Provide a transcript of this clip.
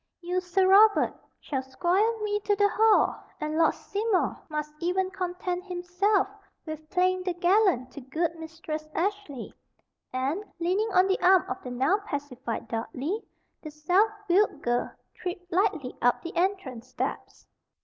You, Sir Robert, shall squire me to the hall, and Lord Seymour must even content himself with playing the gallant to good Mistress Ashley"; and, leaning on the arm of the now pacified Dudley, the self willed girl tripped lightly up the entrance steps.